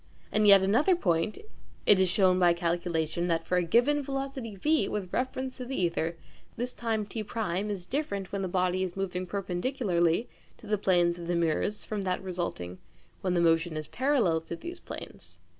And yet another point: it is shown by calculation that for a given velocity v with reference to the ćther, this time T1 is different when the body is moving perpendicularly to the planes of the mirrors from that resulting when the motion is parallel to these planes.